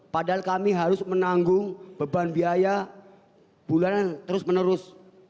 padahal kami harus menanggung beban biaya bulanan terus menerus